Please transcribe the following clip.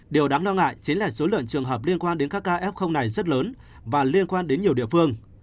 điều đáng lo ngại chính là số lượng trường hợp liên quan đến các ca f này rất lớn và liên quan đến nhiều địa phương